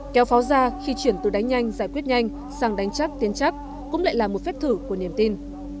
kéo pháo ra khi chuyển từ đánh nhanh giải quyết nhanh sang đánh chắc tiến chắc cũng lại là một phép thử của niềm tin